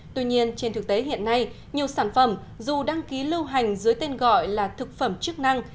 tuy nhiên trên thực tế hiện nay nhiều sản phẩm dù đăng ký lưu hành dưới tên gọi là thực phẩm chức năng